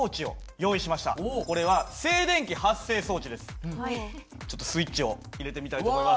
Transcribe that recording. これはちょっとスイッチを入れてみたいと思います。